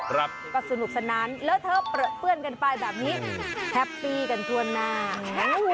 ครับก็สนุกสนานแล้วเธอเปลื้อเปื้อนกันไปแบบนี้แฮปปี้กันทั่วหน้า